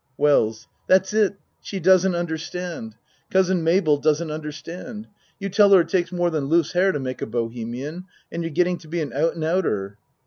WELLS That's it. She doesn't understand. Cousin Mabel doesn't understand. You tell her it takes more than loose hair to make a bohemian and you're getting to be an out and outer.